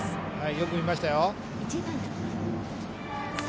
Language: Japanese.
よく見ましたよ。